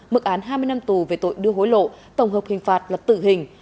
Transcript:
mức án hai mươi năm tù về tội đưa hối lộ tổng hợp hình phạt là tử hình